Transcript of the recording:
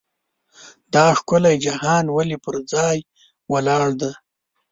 دا ښکلی جهان ولې پر ځای ولاړ دی.